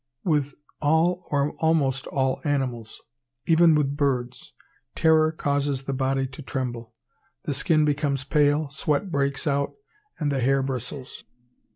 With all or almost all animals, even with birds, Terror causes the body to tremble. The skin becomes pale, sweat breaks out, and the hair bristles.